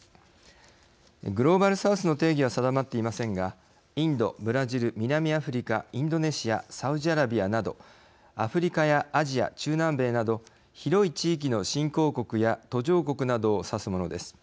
グローバル・サウスの定義は定まっていませんがインド、ブラジル南アフリカ、インドネシアサウジアラビアなどアフリカやアジア中南米など広い地域の新興国や途上国などを指すものです。